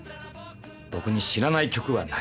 僕に知らない曲はない。